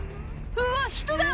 うわ人だ！